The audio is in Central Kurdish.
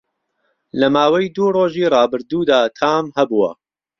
لە ماوەی دوو ڕۆژی ڕابردوودا تام هەبووه